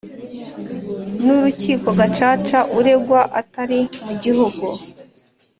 n Urukiko Gacaca uregwa atari mu gihugu